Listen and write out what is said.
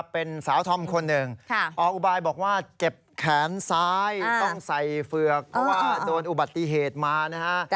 เป็นสาวธอมคนหนึ่งออกอุบายบอกว่าเจ็บแขนซ้ายต้องใส่เฝือกเพราะว่าโดนอุบัติเหตุมานะฮะ